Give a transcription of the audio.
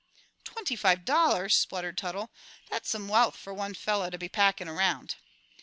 "Twenty five dollars!" spluttered Tuttle. "That's some wealth for one fellow to be packing around."